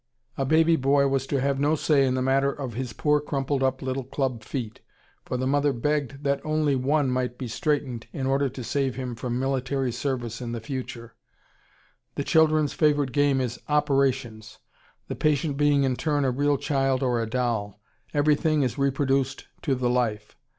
A baby boy was to have no say in the matter of his poor crumpled up little club feet, for the mother begged that only one might be straightened, in order to save him from military service in the future.... The children's favorite game is "operations," the patient being in turn a real child or a doll. Everything is reproduced to the life.